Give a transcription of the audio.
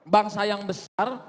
bangsa yang besar